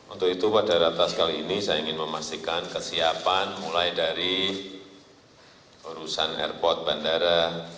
untuk itu pada ratas kali ini saya ingin memastikan kesiapan mulai dari urusan airport bandara